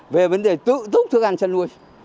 về vấn đề tự túc thức ăn chăn nuôi